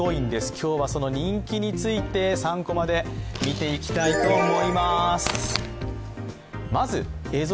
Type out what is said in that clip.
今日はその人気について３コマで見ていきたいと思います。